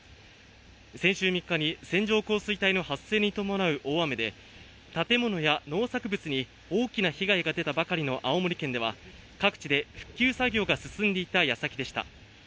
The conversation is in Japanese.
先週３日に線状降水帯の発生に伴う大雨で建物や農作物に大きな被害が出たばかりの青森県では各地で復旧作業が進んでいた矢先でした。